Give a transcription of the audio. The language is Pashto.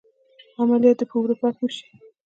عملیات دې په اروپا کې وشي.